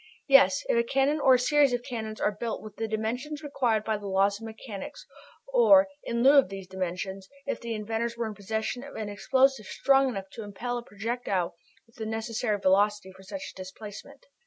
Yes, if a cannon or a series of cannons are built with the dimensions required by the laws of mechanics, or, in lieu of these dimensions, if the inventors were in possession of an explosive strong enough to impel a projectile with the necessary velocity for such a displacement.